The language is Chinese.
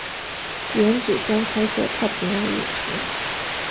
原址将开设太平洋影城。